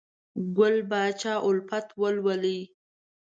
ګل پاچا الفت ولولئ!